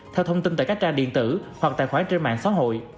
theo thông tin tại các trang điện tử hoặc tài khoản trên mạng xã hội